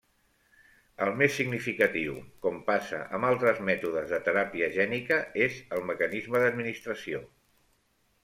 El més significatiu, com passa amb altres mètodes de teràpia gènica, és el mecanisme d'administració.